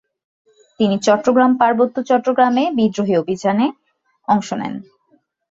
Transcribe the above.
তিনি চট্টগ্রাম পার্বত্য চট্টগ্রামে বিদ্রোহী অভিযানে অংশ নেন।